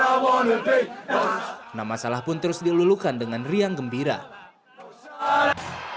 tapi di dalam kata kata ini fans liverpool menciptakan ini sebagai kata kata yang menyebutkan